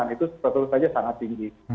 itu sebetulnya saja sangat tinggi